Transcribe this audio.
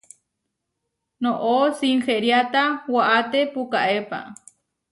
Noʼó sinheriáta waʼáte pukaépa.